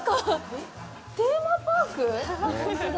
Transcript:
テーマパーク？